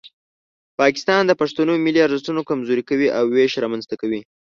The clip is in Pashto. پاکستان د پښتنو ملي ارزښتونه کمزوري کوي او ویش رامنځته کوي.